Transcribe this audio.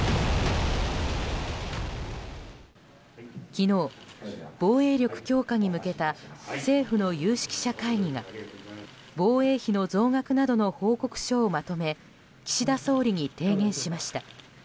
昨日、防衛力強化に向けた政府の有識者会議が防衛費の増額などの報告書をまとめ岸田総理に提言しました。